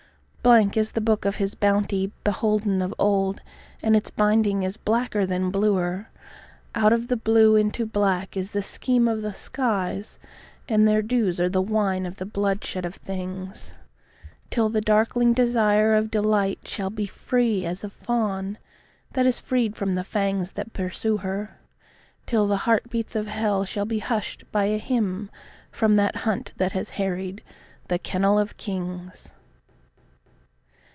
Blank is the book of his bounty beholden of old, and its binding is blacker than bluer; Out of blue into black is the scheme of the skies, and their dews are the wine of the bloodshed of things; Till the darkling desire of delight shall be free as a fawn that is freed from the fangs that pursue her, Till the heartbeats of hell shall be hushed by a hymn from that hunt that has harried the kennel of kings.